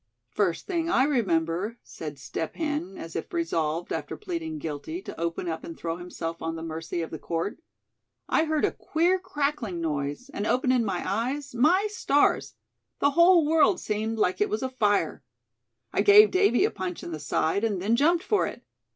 "First thing I remember," said Step Hen, as if resolved, after pleading guilty, to open up, and throw himself on the mercy of the court; "I heard a queer crackling noise, and openin' my eyes, my stars! the whole world seemed like it was afire. I gave Davy a punch in the side, and then jumped for it.